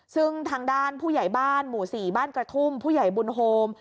ซึ่งทางด้านผู้ใหญ่บ้านหมู่๔บ้านกระทุ่มผู้ใหญ่บุญโฮม